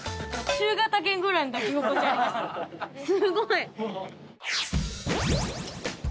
すごい。